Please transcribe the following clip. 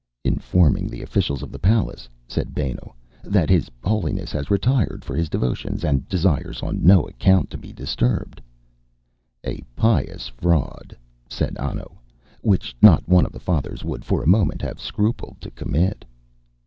"Informing the officials of the palace," said Benno, "that his Holiness has retired for his devotions, and desires on no account to be disturbed." "A pious fraud," said Anno, "which not one of the Fathers would for a moment have scrupled to commit."